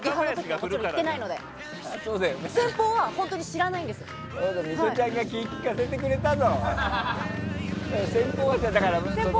ミトちゃんが気を利かせてくれたぞ。